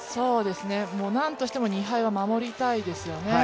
何としても２敗は守りたいですよね。